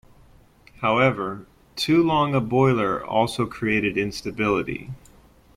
However too long a boiler also created instability.